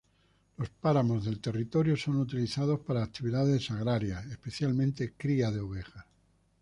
Los páramos del territorio son utilizados para actividades agrarias, especialmente cría de ovejas.